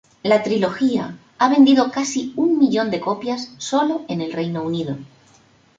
La trilogía ha vendido casi un millón de copias solo en el Reino Unido.